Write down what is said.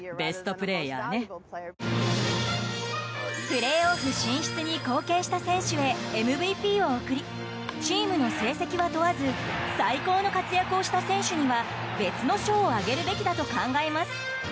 プレーオフ進出に貢献した選手へＭＶＰを贈りチームの成績は問わず最高の活躍をした選手には別の賞をあげるべきだと考えます。